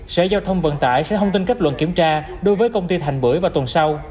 sở giao thông vận tải sẽ thông tin kết luận kiểm tra đối với công ty thành bưởi vào tuần sau